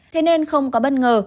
thế nên không có bất ngờ